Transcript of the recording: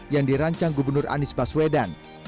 yang dirancang gubernur anies baswedan